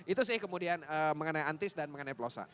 itu sih kemudian mengenai antis dan mengenai plosa